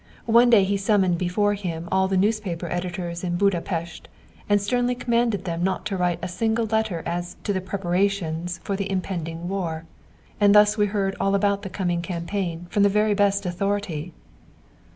One day he summoned before him all the newspaper editors in Buda Pest and sternly commanded them not to write a single letter as to the preparations for the impending war. And thus we heard all about the coming campaign from the very best authority."